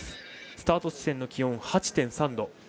スタート地点の気温８．３度。